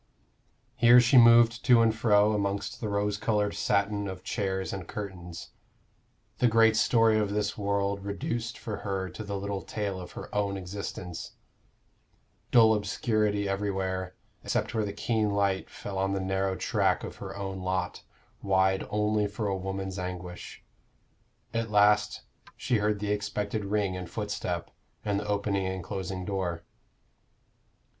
Here she moved to and fro amongst the rose colored satin of chairs and curtains the great story of this world reduced for her to the little tale of her own existence dull obscurity everywhere, except where the keen light fell on the narrow track of her own lot, wide only for a woman's anguish. At last she heard the expected ring and footstep, and the opening and closing door.